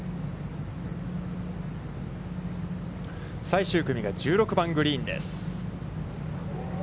最終組が１６番グリーンです。